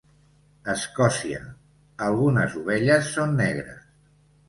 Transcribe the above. Escòcia algunes ovelles són negres.